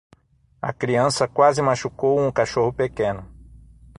A criança quase machucou um cachorro pequeno.